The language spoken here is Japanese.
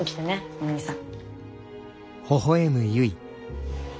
お兄さん。